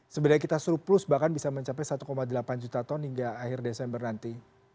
sebenarnya kita surplus bahkan bisa mencapai satu delapan juta ton hingga akhir desember nanti